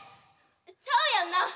ちゃうやんなあ！